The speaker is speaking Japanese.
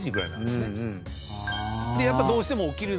やっぱどうしても。